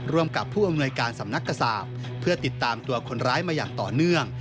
ร่วมกับผู้อำนวยการสำนักกษาปเพื่อติดตามตัวคนร้ายมาอย่างต่อเนื่อง